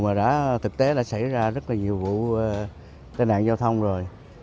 mà thực tế đã xảy ra rất nhiều vụ tên nạn giao thông rồi